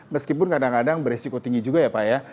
meskipun kadang kadang beresiko tinggi juga ya pak ya